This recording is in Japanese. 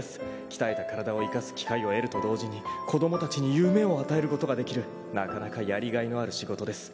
「鍛えた体を生かす機会を得ると同時に子供たちに夢を与えることができるなかなかやりがいのある仕事です」